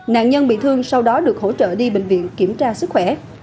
nạn nhân bị thương sau đó được hỗ trợ đi bệnh viện kiểm tra sức khỏe